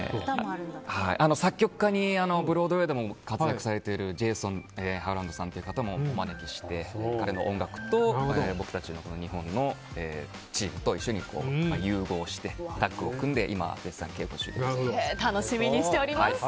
作曲家にブロードウェーでも活躍されているジェイソン・ハーランドさんもお招きして、彼の音楽と僕たち、日本のチームと一緒に融合してタッグを組んで楽しみにしております。